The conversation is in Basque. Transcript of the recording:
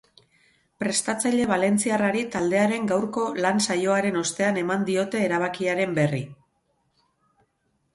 Prestatzaile valentziarrari taldearen gaurko lan-saioaren ostean eman diote erabakiaren berri.